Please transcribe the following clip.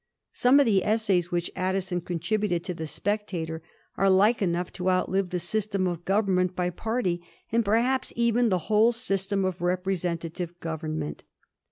Some of the essays which Addison contributed to the * Spectator ' are like enough to outlive the system of government by party, and perhaps even the whole system of repre sentative government.